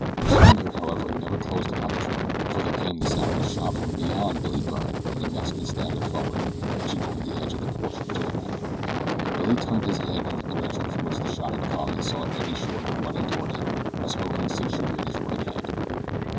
His finger, however, never closed upon the trigger, for there came the sound of a shot from beyond Billy Byrne and the Mexican staggered forward, pitching over the edge of the porch to the ground. Billy turned his head in the direction from which the shot had come and saw Eddie Shorter running toward him, a smoking six shooter in his right hand.